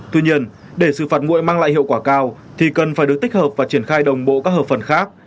tuy nhiên để xử phạt nguội mang lại hiệu quả cao thì cần phải được tích hợp và triển khai đồng bộ các hợp phần khác